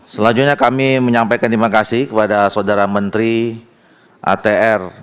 selanjutnya kami menyampaikan terima kasih kepada saudara menteri atr